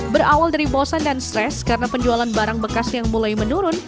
berawal dari bosan dan stres karena penjualan barang bekas yang mulai menurun